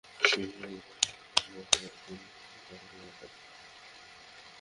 বিভিন্ন প্রতিষ্ঠানের জবাবদিহির জন্য কমিটিতে সরকারি কর্মকর্তাদের তলব করে নানা ব্যাখ্যা চান।